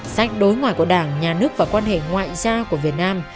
sách đối ngoại của đảng nhà nước và quan hệ ngoại giao của việt nam